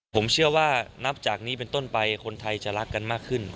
ผมเชื่อว่านับจากนี้เป็นต้นไปคนไทยจะรักกันมากขึ้น